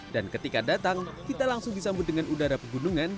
dan ketika datang kita langsung disambut dengan udara pegunungan